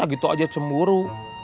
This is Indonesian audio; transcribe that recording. masa gitu aja cemburu